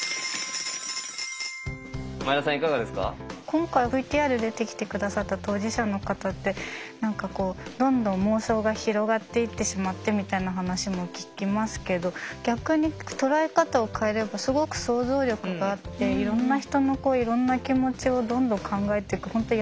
今回ＶＴＲで出てきて下さった当事者の方って何かこうどんどん妄想が広がっていってしまってみたいな話も聞きますけど逆に捉え方を変えればすごく想像力があっていろんな人のいろんな気持ちをどんどん考えていく本当